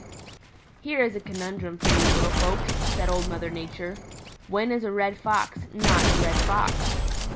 "Here is a conundrum for you little folks," said Old Mother Nature. "When is a Red Fox not a Red Fox?"